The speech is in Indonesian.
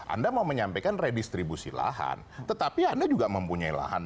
anda mau menyampaikan redistribusi lahan tetapi anda juga mempunyai lahan